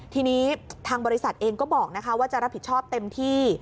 ทีนี้ทางบริษัทเองก็บอกว่าจะรับผิดชอบเต็มที่